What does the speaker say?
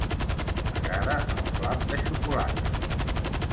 M'agrada el flam de xocolata